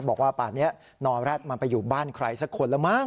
บอกว่าป่านนี้นอแร็ดมันไปอยู่บ้านใครสักคนแล้วมั้ง